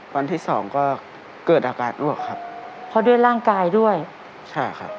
วันที่สองก็เกิดอาการอ้วกครับเพราะด้วยร่างกายด้วยใช่ครับ